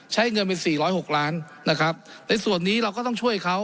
ใช้เงินเป็นสี่ร้อยหกล้านนะครับในส่วนนี้เราก็ต้องช่วยเขา